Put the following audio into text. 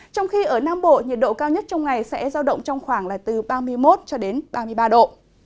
trong khi ở nam bộ nhiệt độ cao nhất trong ngày sẽ giao động trong khoảng ba mươi một ba mươi ba độ